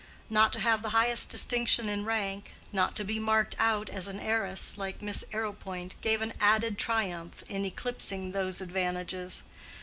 Not to have the highest distinction in rank, not to be marked out as an heiress, like Miss Arrowpoint, gave an added triumph in eclipsing those advantages.